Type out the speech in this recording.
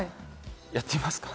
やってみますか？